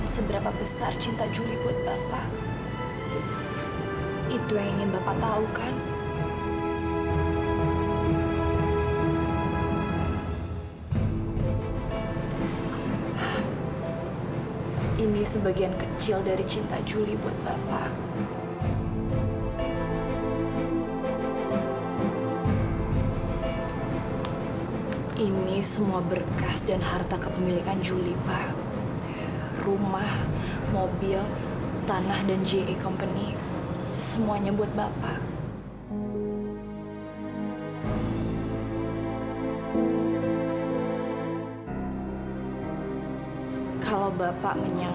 sampai jumpa di video selanjutnya